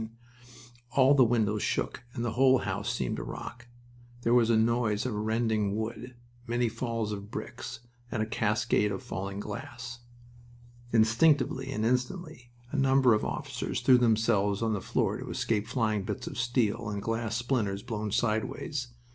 All the windows shook and the whole house seemed to rock. There was a noise of rending wood, many falls of bricks, and a cascade of falling glass. Instinctively and instantly a number of officers threw themselves on the floor to escape flying bits of steel and glass splinters blown sideways.